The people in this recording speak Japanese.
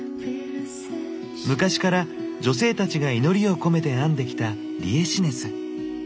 昔から女性たちが祈りをこめて編んできたリエシネス。